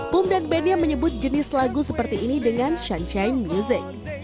pum dan bandnya menyebut jenis lagu seperti ini dengan shan chain music